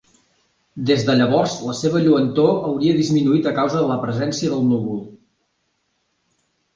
Des de llavors, la seva lluentor hauria disminuït a causa de la presència del núvol.